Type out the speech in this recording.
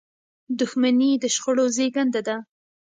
• دښمني د شخړو زیږنده ده.